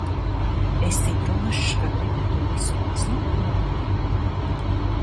Esi drošs, ka gribi to visu noslēpt no viņa?